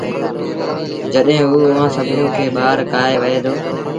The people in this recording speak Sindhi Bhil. جڏهيݩٚ اوٚ اُئآݩٚ سڀنيٚوݩ کي ٻآهر ڪآهي وهي دو